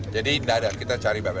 jadi tidak ada kita cari